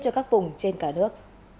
cho các vùng trên cả nước